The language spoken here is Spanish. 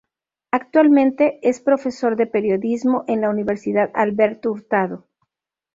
Actualmente es profesor de Periodismo en la Universidad Alberto Hurtado.